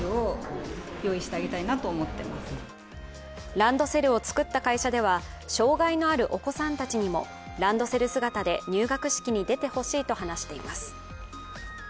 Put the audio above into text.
ランドセルを作った会社では障害のあるお子さんたちにもランドセル姿で入学式に出てほしいと話しています。